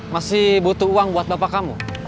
masih butuh uang buat bapak kamu